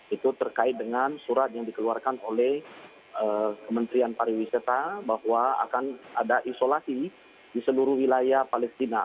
itu terkait dengan surat yang dikeluarkan oleh kementerian pariwisata bahwa akan ada isolasi di seluruh wilayah palestina